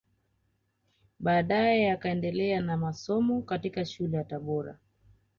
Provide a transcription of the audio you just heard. Baadae akaendelea na masomo katika shule ya Tabora